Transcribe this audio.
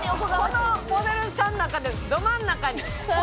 「このモデルさんの中でど真ん中に」